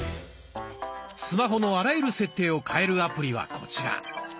スマホのあらゆる設定を変えるアプリはこちら。